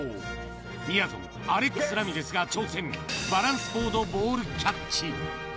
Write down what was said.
みやぞん、アレックス・ラミレスが挑戦、バランスボードボールキャッチ。